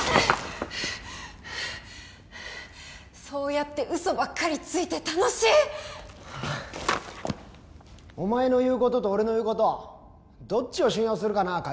そうやって嘘ばっかりついて楽しい？お前の言うことと俺の言うことどっちを信用するかな？